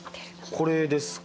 これですか？